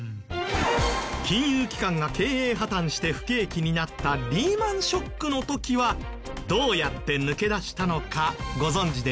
金融機関が経営破綻して不景気になったリーマンショックの時はどうやって抜け出したのかご存じですか？